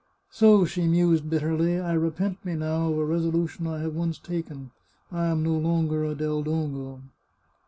" So," she mused bitterly, " I repent me now of a resolution I have once taken. I am no longer a Del Dongo."